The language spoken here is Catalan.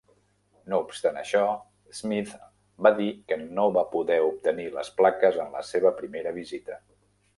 No obstant això, Smith va dir que no va poder obtenir les plaques en la seva primera visita.